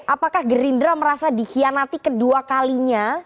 apakah gerindra merasa dikhianati kedua kalinya